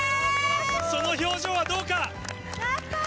その表情はどうか。